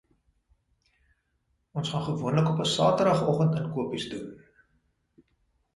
Ons gaan gewoonlik op 'n Saterdagoggend inkopies doen.